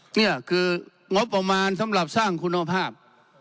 นี่คืองบประมาณสำหรับสร้างคุณภาพ